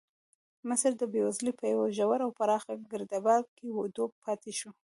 مصر د بېوزلۍ په یو ژور او پراخ ګرداب کې ډوب پاتې شو.